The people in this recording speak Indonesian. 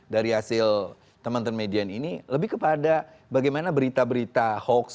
dari hasil teman teman median ini lebih kepada bagaimana berita berita hoax